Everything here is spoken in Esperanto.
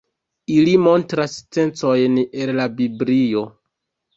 Ili montras scencojn el la Biblio.